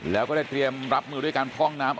แล้วก็ได้เตรียมรับมือด้วยการพร่องน้ำ